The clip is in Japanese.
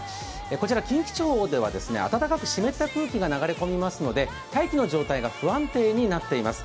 こちら近畿地方では暖かく湿った空気が流れ込みますので大気の状態が不安定になっています。